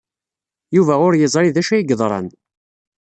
Yuba ur yeẓri d acu ay yeḍran.